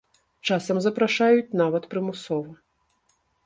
Часам запрашаюць нават прымусова.